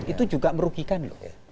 itu juga merugikan loh